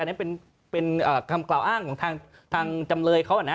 อันนี้เป็นคำกล่าวอ้างของทางจำเลยเขานะ